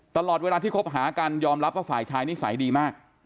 ตลอดเวลาที่คบหากันยอมรับว่าฝ่ายชายนิสัยดีมาก